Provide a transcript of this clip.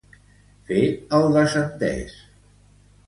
Fer el desentès.